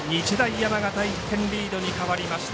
山形、１点リードに変わりました。